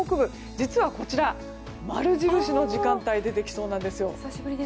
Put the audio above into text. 実はこちらは、〇印の時間が出てきそうなんです。